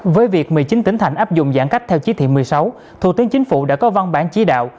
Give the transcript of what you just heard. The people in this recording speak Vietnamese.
với việc một mươi chín tỉnh thành áp dụng giãn cách theo chí thị một mươi sáu thủ tướng chính phủ đã có văn bản chỉ đạo